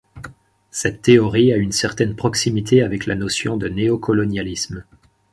Cette théorie a une certaine proximité avec la notion de néocolonialisme.